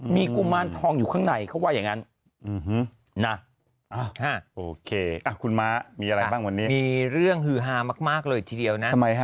มีกุมารทองอยู่ข้างในเขาว่าอย่างนั้นนะโอเคคุณม้ามีอะไรบ้างวันนี้มีเรื่องฮือฮามากเลยทีเดียวนะ